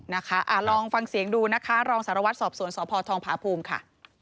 นะคะลองฟังเสียงดูนะคะรองสารวัตรสอบสวนสพทองผาภูมิค่ะ